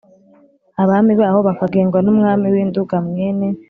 abami baho bakagengwa n'umwami w' i nduga mwene